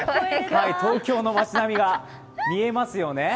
東京の町並みが見えますよね。